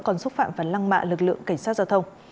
còn xúc phạm và lăng mạ lực lượng cảnh sát giao thông